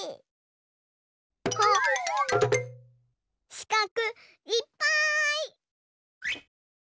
しかくいっぱい！